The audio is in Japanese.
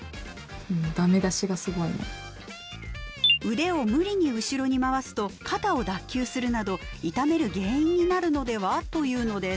「腕を無理に後ろに回すと肩を脱臼するなど痛める原因になるのでは？」というのです。